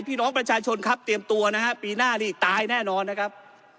พี่น้องประชาชนครับเตรียมตัวนะฮะปีหน้านี่ตายแน่นอนนะครับ